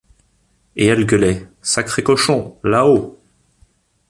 Et elle gueulait: — Sacré cochon, là-haut!